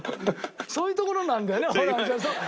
そういうところなんだよねホランちゃん。